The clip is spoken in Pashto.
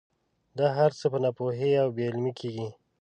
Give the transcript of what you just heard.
دا هر څه په ناپوهۍ او بې علمۍ کېږي.